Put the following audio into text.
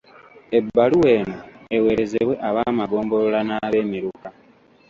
Ebbaluwa eno ewerezebwe ab'amagombolola n'abeemiruka.